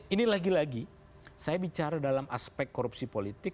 ini lagi lagi saya bicara dalam aspek korupsi politik